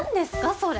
それ。